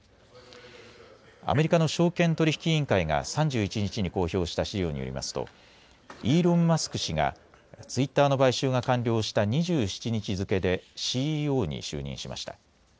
アメリカの証券取引委員会が３１日に公表した資料によりますとイーロン・マスク氏がツイッターの買収が完了した２７日付けでＣＥＯに就任しました。